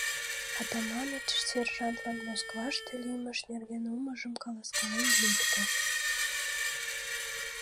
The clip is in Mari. Атаманыч сержантлан Москваште лиймыж нерген омыжым каласкален лекте.